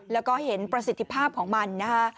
และก็เห็นประสิทธิภาพของมัน